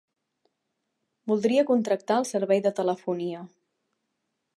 Voldria contractar el servei de telefonia.